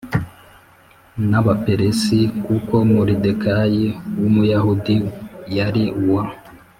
n Abaperesi m Kuko Moridekayi w Umuyahudi yari uwa